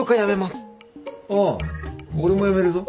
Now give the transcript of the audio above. ああ俺も辞めるぞ。